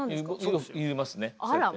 そう言いますね。